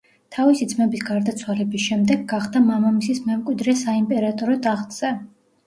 თავისი ძმების გარდაცვალების შემდეგ გახდა მამამისის მემკვიდრე საიმპერატორო ტახტზე.